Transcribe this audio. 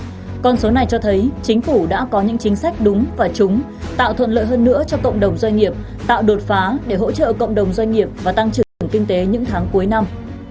cùng kỳ năm hai nghìn hai mươi một con số này cho thấy chính phủ đã có những chính sách đúng và chúng tạo thuận lợi hơn nữa cho cộng đồng doanh nghiệp tạo đột phá để hỗ trợ cộng đồng doanh nghiệp và tăng trưởng kinh tế những tháng cuối năm